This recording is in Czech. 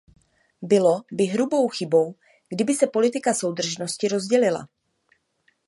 Bylo by hrubou chybou, kdyby se politika soudržnosti rozdělila.